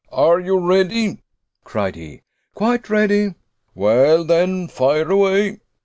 "Are you ready?" cried he. "Quite ready." "Well, then, fire away!"